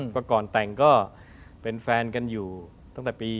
ก่อนแต่งก็เป็นแฟนกันอยู่ตั้งแต่ปี๒๕